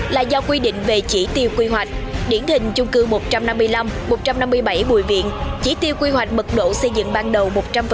là do quy định về chỉ tiêu quy hoạch điển hình chung cư một trăm năm mươi năm một trăm năm mươi bảy bùi viện chỉ tiêu quy hoạch mật độ xây dựng ban đầu một trăm linh